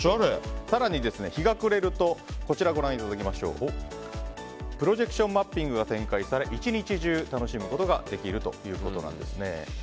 更に日が暮れるとプロジェクションマッピングが展開され１日中楽しむことができるということなんですね。